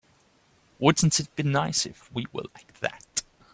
Wouldn't it be nice if we were like that?